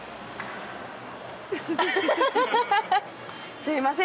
すみません